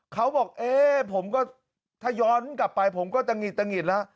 เขาบอกผมก็ถ้าย้อนกลับไปขอมุมก็ตัดหงิดละ